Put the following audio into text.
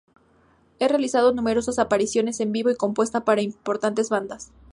Ha realizado numerosas apariciones en vivo y compuesto para importantes bandas.